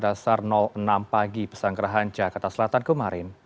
lantai empat sekolah dasar enam pagi pesangkerahan jakarta selatan kemarin